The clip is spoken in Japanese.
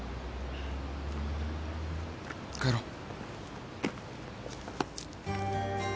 帰ろう。